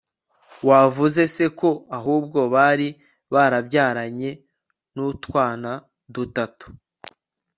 wavuze se ko ahubwo bari barabyaranye nutwana dutatu